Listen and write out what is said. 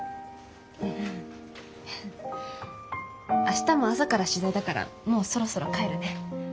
明日も朝から取材だからもうそろそろ帰るね。